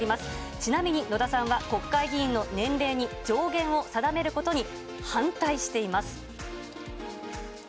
ちなみに、野田さんは国会議員の年齢に上限を定めることに反対しています。